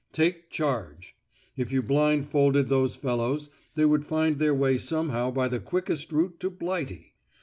"Take charge!" If you blind folded those fellows they would find their way somehow by the quickest route to Blighty!